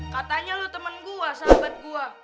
katanya lu temen gua sahabat gua